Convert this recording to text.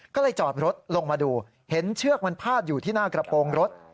ก็เลยจอดรถลงมาดูเห็นเชือกมันพาดอยู่ที่หน้ากระโปรงรถ